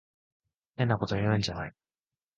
変なことを言うんじゃない。